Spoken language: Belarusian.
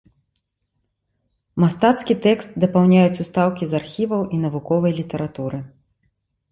Мастацкі тэкст дапаўняюць устаўкі з архіваў і навуковай літаратуры.